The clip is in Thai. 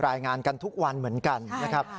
รายงานกันทุกวันเหมือนกันนะครับ